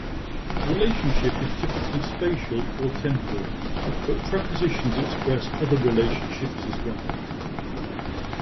The relationship is typically spatial or temporal, but prepositions express other relationships as well.